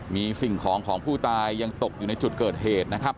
มีสิ่งของของผู้ตายยังตกอยู่ในจุดเกิดเหตุนะครับ